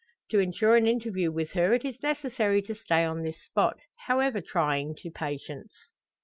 To ensure an interview with her it is necessary to stay on this spot, however trying to patience."